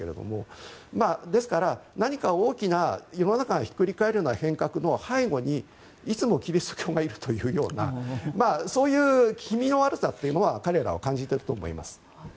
ですから、何か大きな世の中がひっくり返るような変革の背後にいつもキリスト教がいるというようなそういう気味の悪さは彼らは感じていると思います。